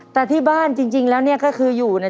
แต่ที่บ้านจริงแล้วเนี่ยก็คืออยู่เนี่ย